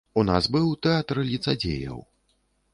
У нас быў тэатр ліцадзеяў.